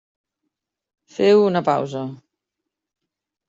Féu una pausa.